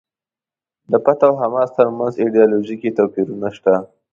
د فتح او حماس ترمنځ ایډیالوژیکي توپیرونه شته.